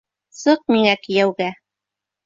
Сыҡ миңә кейәүгә.